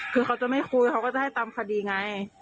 คือเขาจะไม่คุยเขาก็จะให้ตามคดีไง